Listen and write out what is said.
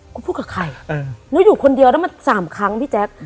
คุณพูดกับใครหนูอยู่คนเดียวแล้วมันสามครั้งพี่แจ๊ค